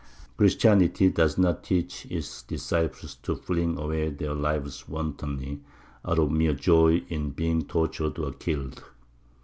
Christianity does not teach its disciples to fling away their lives wantonly, out of mere joy in being tortured and killed.